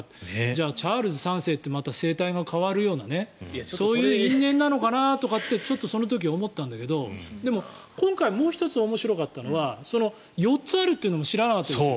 じゃあ、チャールズ３世ってまた政体が変わるようなそういう因縁なのかなってちょっとその時思ったんだけど今回、もう１つ面白かったのは４つあるっていうのも知らなかったし。